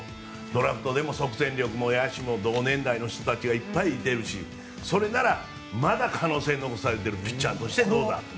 ドラフトでも即戦力も野手も同年代の人たちがいっぱいいてるし、それならまだ可能性が残されているピッチャーとしてどうだと。